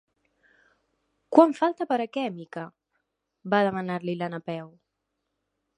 Quan falta per a què, Mica? —va demanar-li la Napeu.